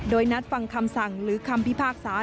โดยนัดฟังคำสั่งหรือคำพิพากษา